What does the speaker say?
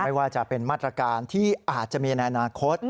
ไม่ว่าจะเป็นมาตรการที่อาจจะมีในอนาคต